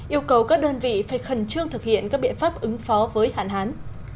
yêu cầu các đơn vị phải khẩn trương thực hiện các biện pháp ứng phó với hạn hán